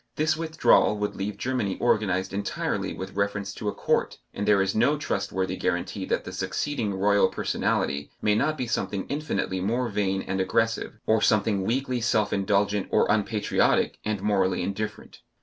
This withdrawal would leave Germany organized entirely with reference to a Court, and there is no trustworthy guarantee that the succeeding Royal Personality may not be something infinitely more vain and aggressive, or something weakly self indulgent or unpatriotic and morally indifferent.